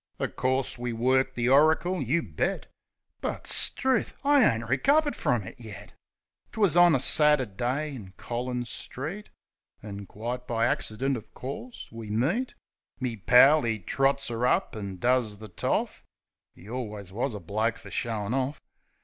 O' course we worked the oricle; you bet I But, struth, I ain't recovered frum it yet! 'Twas on a Saturdee, in CoUuns Street, An' — quite by accident, o' course — we meet. Me pal 'e trots 'er up an' does the toff — 'E alius wus a bloke fer showin' off.